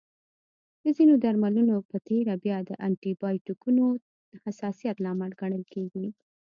د ځینو درملنو په تېره بیا د انټي بایوټیکونو حساسیت لامل ګڼل کېږي.